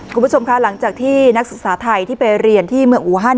คุณผู้ชมคะหลังจากที่นักศึกษาไทยที่ไปเรียนที่เมืองอูฮัน